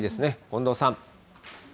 近藤さん。